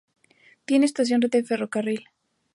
Tiene estación de ferrocarril.